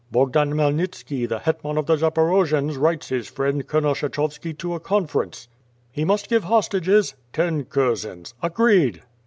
"Bogdan Khmyelnitski, the hetman of the Zaporojians, writes his friend. Colonel Kshechovski, to a conference." "He must give hostages." "Ten kurzens." "Agreed."